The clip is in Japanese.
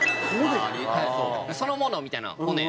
そのものみたいな「骨」。